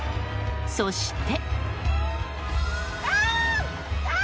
そして。